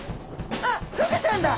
あっフグちゃんだ！